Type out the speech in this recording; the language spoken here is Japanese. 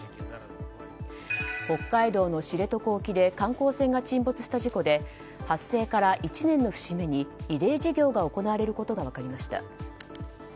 北海道の知床沖で観光船が沈没した事故で発生から１年の節目に慰霊事業が行われることが分かりました。